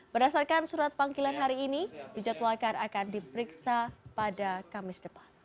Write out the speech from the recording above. berdasarkan surat panggilan hari ini dijadwalkan akan diperiksa pada kamis depan